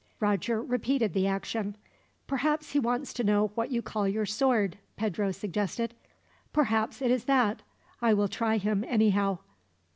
Roger repeated the action. "Perhaps he wants to know what you call your sword," Pedro suggested. "Perhaps it is that. I will try him, anyhow.